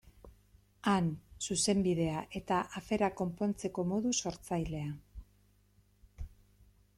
Han, Zuzenbidea eta aferak konpontzeko modu sortzailea.